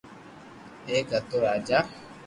ايڪ ھتو راجا